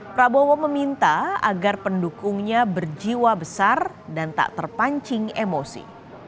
prabowo meminta agar pendukungnya berjiwa besar dan tak terpancing emosi